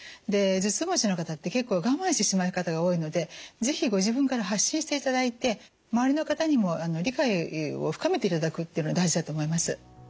で頭痛持ちの方って結構我慢してしまう方が多いので是非ご自分から発信していただいて周りの方にも理解を深めていただくというのが大事だと思います。